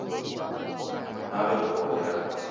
Nawekuwonyera